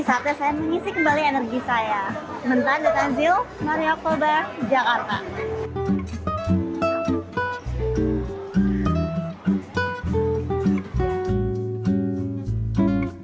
saatnya saya mengisi kembali energi saya mentah dan tansil mari oktober jakarta